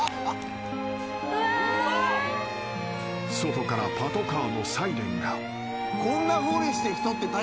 ［外からパトカーのサイレンが］